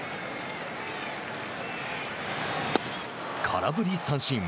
空振り三振。